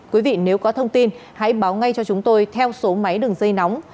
quý vị nếu có thông tin hãy báo ngay cho chúng tôi theo số máy đường dây nóng